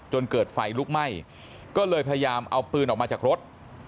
จนเกิดไฟลุกไหม้ก็เลยพยายามเอาปืนออกมาจากรถ